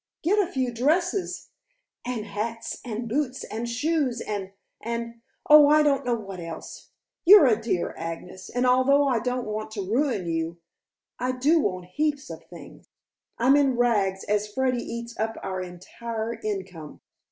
Get a few dresses " "And hats, and boots, and shoes, and and oh, I don't know what else. You're a dear, Agnes, and although I don't want to ruin you, I do want heaps of things. I'm in rags, as Freddy eats up our entire income."